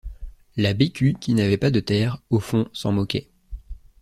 La Bécu, qui n’avait pas de terre, au fond, s’en moquait.